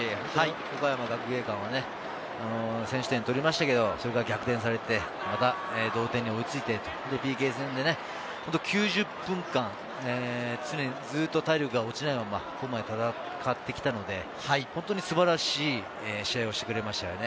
岡山学芸館は先取点を取りましたけれど、逆転されて、また同点に追いついて、ＰＫ戦で９０分間、常にずっと体力が落ちないまま、ここまで戦ってきたので、本当に素晴らしい試合をしてくれましたよね。